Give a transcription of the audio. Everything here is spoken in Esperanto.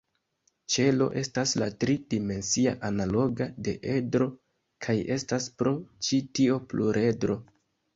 Ĉelo estas la tri-dimensia analoga de edro, kaj estas pro ĉi tio pluredro.